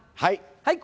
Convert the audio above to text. はい。